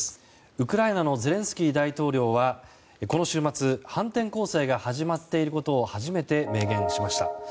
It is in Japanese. ウクライナのゼレンスキー大統領はこの週末反転攻勢が始まっていることを初めて明言しました。